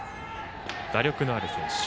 打力のある選手。